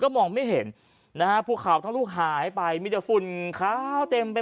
มองไม่เห็นนะฮะภูเขาทั้งลูกหายไปมีแต่ฝุ่นขาวเต็มไป